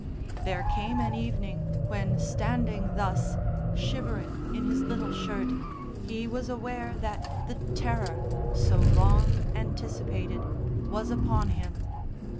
There came an evening when standing thus, shivering in his little shirt, he was aware that the terror, so long anticipated, was upon him.